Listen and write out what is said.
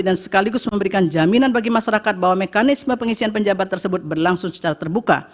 dan sekaligus memberikan jaminan bagi masyarakat bahwa mekanisme pengisian pejabat tersebut berlangsung secara terbuka